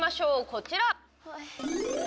こちら！